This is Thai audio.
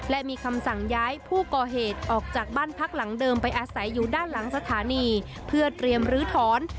และมีคำสั่งย้ายผู้ก่อเหตุออกจากบ้านพักหลังเดิมไปอาศัยอยู่ด้านหลังสถานีเพื่อเตรียมลื้อถอน